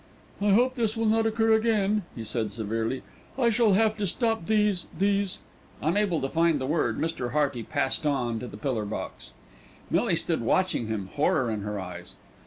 "I hope this will not occur again," he said severely. "I shall have to stop these these " Unable to find the word, Mr. Hearty passed on to the pillar box. Millie stood watching him, horror in her eyes.